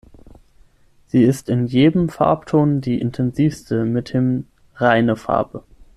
Sie ist in jedem Farbton die intensivste, mithin "reine Farbe".